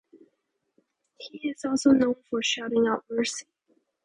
He is also known for shouting out Mercy!